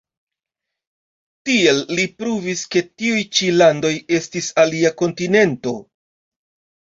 Tiel li pruvis ke tiuj ĉi landoj estis alia kontinento.